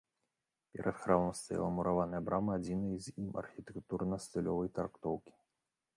Перад храмам стаяла мураваная брама адзінай з ім архітэктурна-стылёвай трактоўкі.